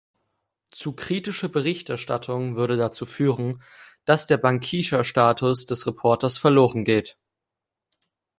Zu kritische Berichterstattung würde dazu führen, dass der Bankisha-Status des Reporters verloren geht.